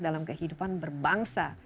dalam kehidupan berbangsa